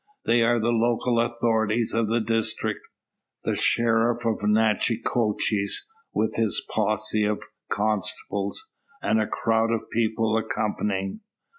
They are the local authorities of the district; the sheriff of Natchitoches with his posse of constables, and a crowd of people accompanying.